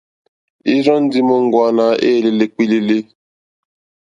Ìrzɔ́ ndí móŋɡòáná éělélé kpílílílí.